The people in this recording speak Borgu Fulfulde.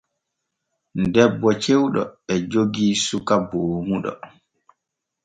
Debbo cewɗo e jogii suka boomuɗo.